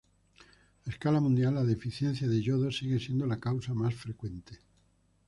A escala mundial, la deficiencia de yodo sigue siendo la causa más frecuente.